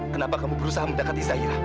kenapa kamu berusaha mendekati zairah